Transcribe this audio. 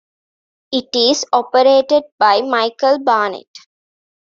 It is operated by Michael Barnett.